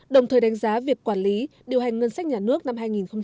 đồng thời đánh giá việc quản lý điều hành ngân sách nhà nước năm hai nghìn hai mươi